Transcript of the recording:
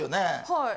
はい。